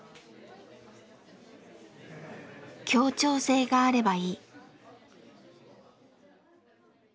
協調性があればいい。